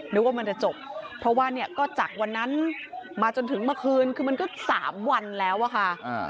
ว่ามันจะจบเพราะว่าเนี่ยก็จากวันนั้นมาจนถึงเมื่อคืนคือมันก็๓วันแล้วอะค่ะ